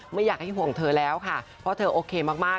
ไม่อยากให้ห่วงเธอแล้วค่ะเพราะเธอโอเคมาก